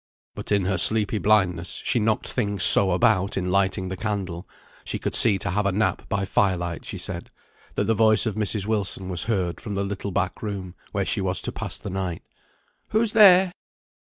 But in her sleepy blindness she knocked things so about in lighting the candle (she could see to have a nap by fire light, she said), that the voice of Mrs. Wilson was heard from the little back room, where she was to pass the night. "Who's there?"